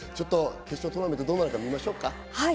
決勝トーナメント、どうなるか見ましょう。